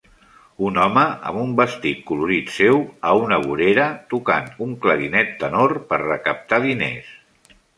Un home amb un vestit colorit seu a una vorera tocant un clarinet tenor per recaptar diners.